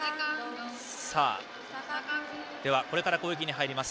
これから攻撃に入ります